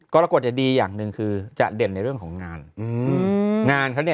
กรกฎจะดีอย่างหนึ่งคือจะเด่นในเรื่องของงานงานเขาเนี่ย